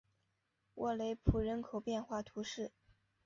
沃雷普人口变化图示